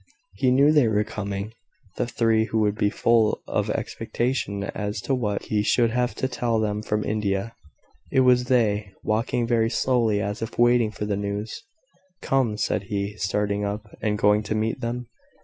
He knew they were coming the three who would be full of expectation as to what he should have to tell them from India. It was they, walking very slowly, as if waiting for the news. "Come!" said he, starting up, and going to meet them.